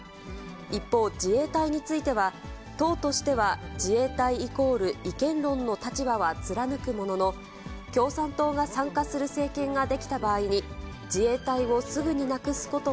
一方、自衛隊については、党としては、自衛隊イコール違憲論の立場は貫くものの、共産党が参加する政権が出来た場合に、自衛隊をすぐになくすこと